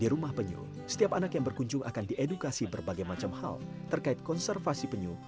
di rumah penyu setiap anak yang berkunjung akan diedukasi berbagai macam hal terkait konservasi penyu